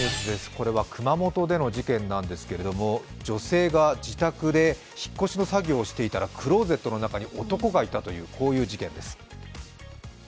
これは熊本での事件ですが女性が自宅で引っ越しの作業をしていたら、クローゼットの中に男がいたという事件です。